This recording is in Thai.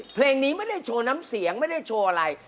เพลงนี้ไม่ได้โชว์น้ำเสียงไม่ได้โชว์อะไร